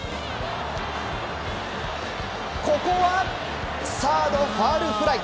ここはサードファウルフライ。